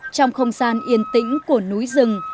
trong không gian yên tĩnh của núi rừng